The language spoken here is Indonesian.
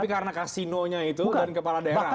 tapi karena kasinonya itu dan kepala daerah atau gimana